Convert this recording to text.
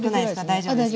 大丈夫ですか？